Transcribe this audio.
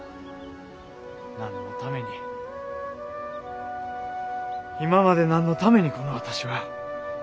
何のために今まで何のためにこの私は。